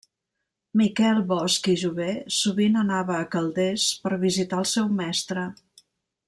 Miquel Bosch i Jover sovint anava a Calders per visitar el seu mestre.